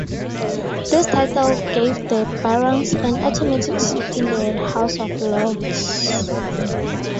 This title gave the Barons an automatic seat in the House of Lords.